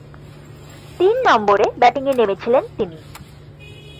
তিন নম্বরে ব্যাটিংয়ে নেমেছিলেন তিনি।